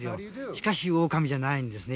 しかしオオカミじゃないんですね。